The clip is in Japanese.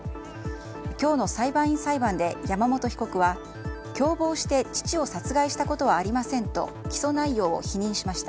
今日の裁判員裁判で山本被告は共謀して父を殺害したことはありませんと起訴内容を否認しました。